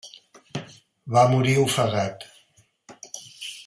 Va morir ofegat.